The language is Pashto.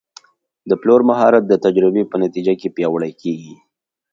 د پلور مهارت د تجربې په نتیجه کې پیاوړی کېږي.